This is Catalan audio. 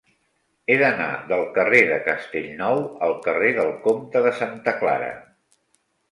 He d'anar del carrer de Castellnou al carrer del Comte de Santa Clara.